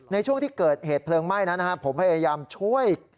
ในช่วงที่เกิดเหตุเพลิงไหม้นั้นผมพยายามช่วย